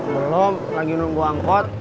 belum lagi nunggu angkot